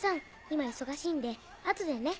今忙しいんで後でね。